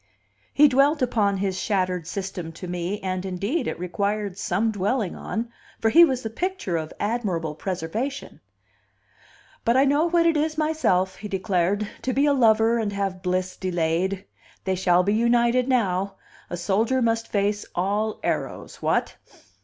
He dwelt upon his shattered system to me, and, indeed, it required some dwelling on, for he was the picture of admirable preservation. "But I know what it is myself," he declared, "to be a lover and have bliss delayed. They shall be united now. A soldier must face all arrows. What!"